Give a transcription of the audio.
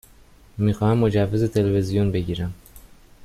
می خواهم مجوز تلویزیون بگیرم.